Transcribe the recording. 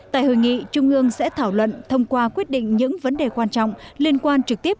tại hội nghị trung ương sẽ thảo luận thông qua quyết định những vấn đề quan trọng liên quan trực tiếp